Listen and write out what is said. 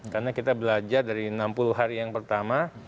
karena kita belajar dari enam puluh hari yang pertama